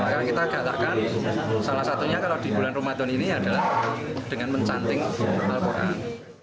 karena kita gantahkan salah satunya kalau di bulan ramadan ini adalah dengan mencanting al quran